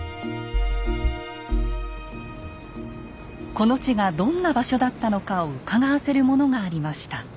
この地がどんな場所だったのかをうかがわせるものがありました。